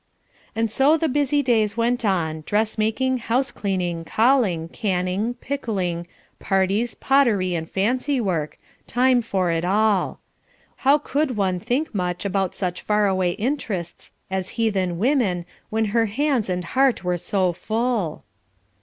And so the busy days went on, dressmaking, house cleaning, calling, canning, pickling, parties, pottery, and fancy work, time for it all. How could one think much about such far away interests as heathen women when her hands and heart were so full?